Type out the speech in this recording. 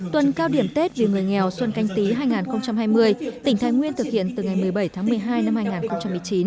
tuần cao điểm tết vì người nghèo xuân canh tí hai nghìn hai mươi tỉnh thái nguyên thực hiện từ ngày một mươi bảy tháng một mươi hai năm hai nghìn một mươi chín